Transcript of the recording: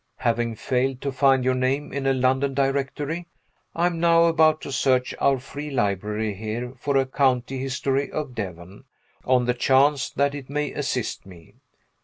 Having failed to find your name in a London Directory, I am now about to search our free library here for a county history of Devon, on the chance that it may assist me.